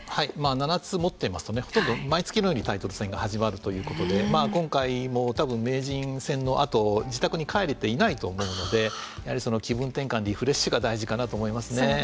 ７つ持っていますとほとんど毎月のようにタイトル戦が始まるということで今回も多分名人戦のあと自宅に帰れていないと思うのでやはり気分転換リフレッシュが大事かなと思いますね。